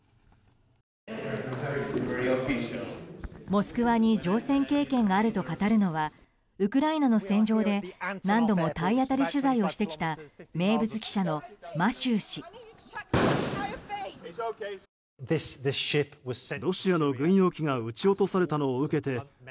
「モスクワ」に乗船経験があると語るのはウクライナの戦場で何度も体当たり取材をしてきた名物記者のマシュー氏。